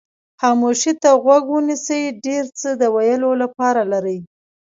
خاموشۍ ته غوږ ونیسئ ډېر څه د ویلو لپاره لري.